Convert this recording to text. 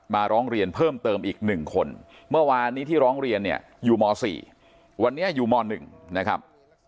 ร้องเรียนเพิ่มเติมอีก๑คนเมื่อวานนี้ที่ร้องเรียนเนี่ยอยู่ม๔วันนี้อยู่ม๑นะครับ